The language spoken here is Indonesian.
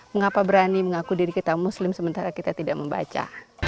mengapa berani mengaku diri kita muslim sementara kita tidak membaca